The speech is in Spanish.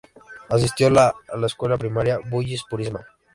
Asistió a la escuela primaria Bullis-Purisima.